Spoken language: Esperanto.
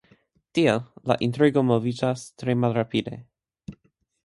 Tiel la intrigo moviĝas tre malrapide.